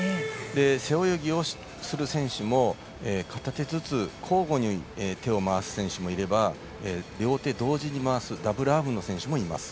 背泳ぎをする選手も片手ずつ交互に手を回す選手もいれば両手同時に回すダブルアームの選手もいます。